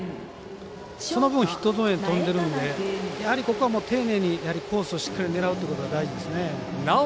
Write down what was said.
その分、ヒットゾーンへ飛んでるんで、ここは丁寧にコースをしっかり狙うというのが大事ですね。